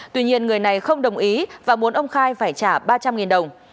tuy nhiên người này không đồng ý và muốn ông khai phải trả ba trăm linh đồng